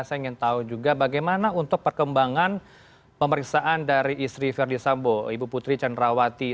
saya ingin tahu juga bagaimana untuk perkembangan pemeriksaan dari istri verdi sambo ibu putri candrawati